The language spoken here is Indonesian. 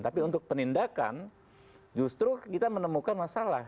tapi untuk penindakan justru kita menemukan masalah